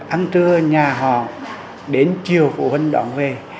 ăn trưa nhà họ đến chiều phụ huynh đón về